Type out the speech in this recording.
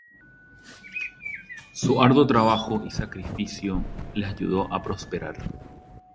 Su arduo trabajo y sacrificio les ayudó a prosperar.